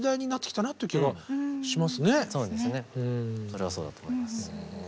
それはそうだと思います。